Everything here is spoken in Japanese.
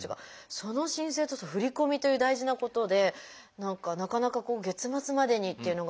その申請と振込という大事なことで何かなかなか月末までにっていうのが難しいんじゃないかな。